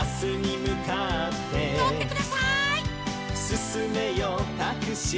「すすめよタクシー」